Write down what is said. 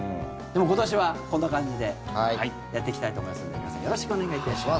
今年はこんな感じでやっていきたいと思いますので皆さんよろしくお願いいたします。